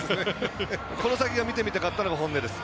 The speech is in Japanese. この先が見てみたかったのが本音です。